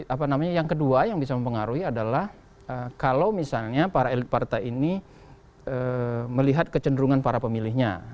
apa namanya yang kedua yang bisa mempengaruhi adalah kalau misalnya para elit partai ini melihat kecenderungan para pemilihnya